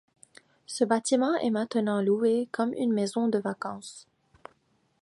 Ce bâtiment est maintenant loué comme une maison de vacances.